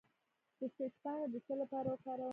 د سیج پاڼې د څه لپاره وکاروم؟